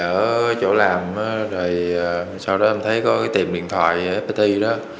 ở chỗ làm rồi sau đó em thấy có cái tiệm điện thoại fpt đó